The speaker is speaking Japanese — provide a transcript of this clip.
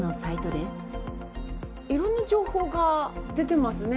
色んな情報が出てますね。